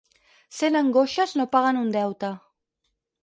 Cent angoixes no paguen un deute.